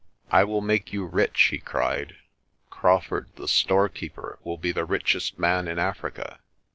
"I will make you rich," he cried. "Crawfurd, the store keeper, will be the richest man in Africa.